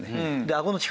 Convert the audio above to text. あごの力